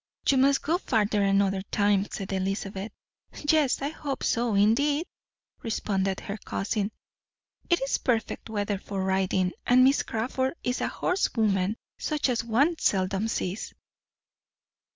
"You must go farther another time," said Elizabeth. "Yes, I hope so indeed," responded her cousin; "it is perfect weather for riding, and Miss Crawford is a horsewoman such as one seldom sees."